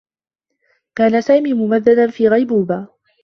كان سامي ممدّدا في غيبوبة.